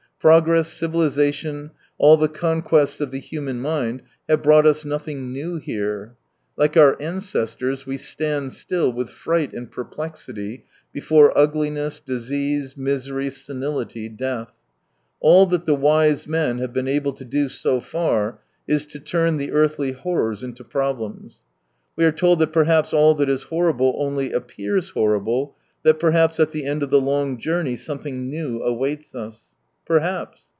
Progress, civilisation, all the conquests of the human mind have brought us nothing new here. Like our ancestors, we stand still with fright and perplexity before ugliness, disease, misery, senility, death. All that the wise men have been able to do so far is to turn the earthly horrors into problems. We are told that perhaps all that is horrible only appears horrible, that perhaps at the end of the long journey some thing new awaits us. Perhaps